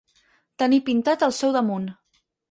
Tenir pintat al seu damunt.